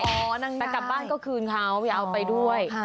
เลยเป็นหลักบ้านก็คืนเขาอย่าเอาไปด้วย